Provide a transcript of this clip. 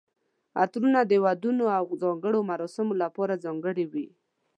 عطرونه د ودونو او ځانګړو مراسمو لپاره ځانګړي وي.